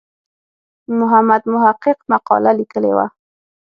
محمد محق مقاله لیکلې وه.